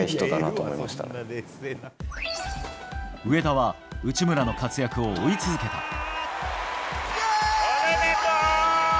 上田は内村の活躍を追い続けた。